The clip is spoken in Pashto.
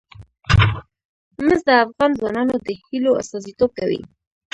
مس د افغان ځوانانو د هیلو استازیتوب کوي.